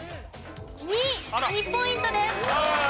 ２ポイントです。